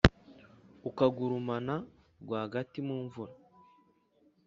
ukagurumana rwagati mu mvura.